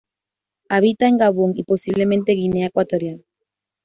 Habita en Gabón y posiblemente Guinea Ecuatorial.